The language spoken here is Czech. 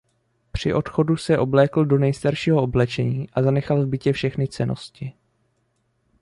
Při odchodu se oblékl do nejstaršího oblečení a zanechal v bytě všechny cennosti.